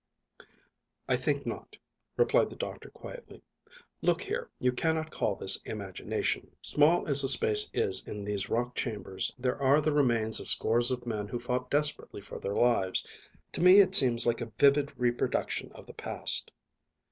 "I think not," replied the doctor quietly. "Look here; you cannot call this imagination. Small as the space is in these rock chambers, there are the remains of scores of men who fought desperately for their lives. To me it seems like a vivid reproduction of the past."